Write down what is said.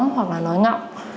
hoặc là nói ngọng